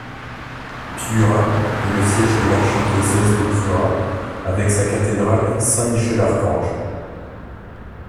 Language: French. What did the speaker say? Piura est le siège de l'archidiocèse de Piura avec sa cathédrale Saint-Michel-Archange.